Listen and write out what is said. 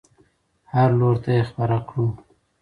هر لور ته یې خپره کړو.